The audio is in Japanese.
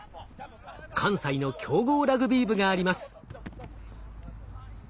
関西の強豪ラグビー部があります。